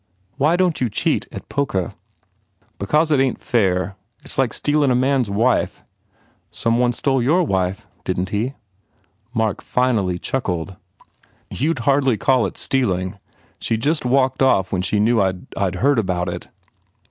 Why don t you cheat at poker?" "Because it ain t fair. It s like stealin a man s wife." "Some one stole your wife, didn t he?" Mark finally chuckled. "You d hardly call it HE PROGRESSES stealing. She just walked off when she knew I d heard about it."